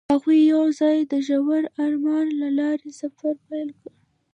هغوی یوځای د ژور آرمان له لارې سفر پیل کړ.